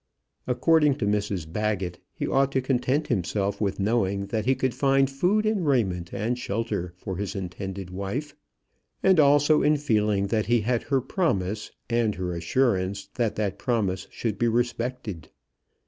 According to Mrs Baggett, he ought to content himself with knowing that he could find food and raiment and shelter for his intended wife, and also in feeling that he had her promise, and her assurance that that promise should be respected.